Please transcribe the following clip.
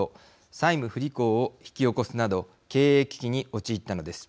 債務不履行を引き起こすなど経営危機に陥ったのです。